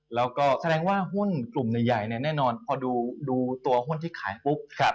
แล้วก็แสดงว่าหุ้นกลุ่มใหญ่เนี่ยแน่นอนพอดูตัวหุ้นที่ขายปุ๊บ